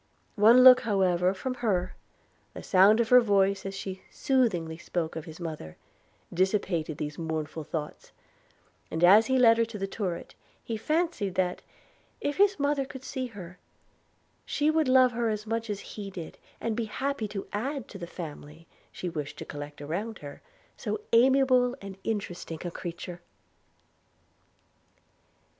One look, however, from her, the sound of her voice as she soothingly spoke of his mother, dissipated these mournful thoughts; and, as he led her to her turret, he fancied that, if his mother could see her, she would love her as much as he did, and be happy to add to the family she wished to collect around her, so amiable and interesting a creature.